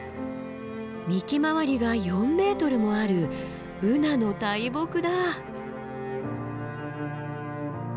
幹回りが４ｍもあるブナの大木だ。